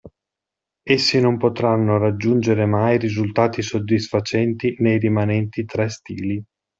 Essi non potranno raggiungere mai risultati soddisfacenti nei rimanenti tre stili.